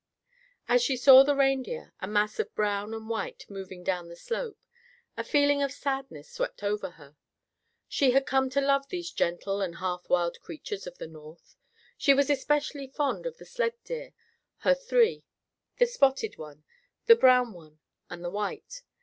As she saw the reindeer, a mass of brown and white moving down the slope, a feeling of sadness swept over her. She had come to love these gentle and half wild creatures of the North. She was especially fond of the sled deer, her three; the spotted one, the brown one, and the white.